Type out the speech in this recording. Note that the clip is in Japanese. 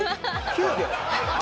・９秒？